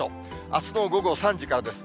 あすの午後３時からです。